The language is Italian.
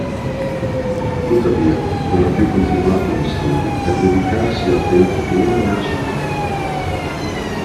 Tuttavia non ha più continuato gli studi per dedicarsi a tempo pieno al cinema.